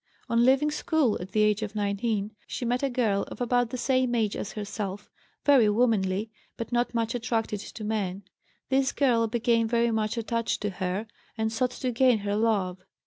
On leaving school at the age of 19 she met a girl of about the same age as herself, very womanly, but not much attracted to men. This girl became very much attached to her, and sought to gain her love.